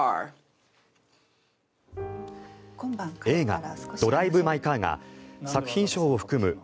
映画「ドライブ・マイ・カー」が作品賞を含む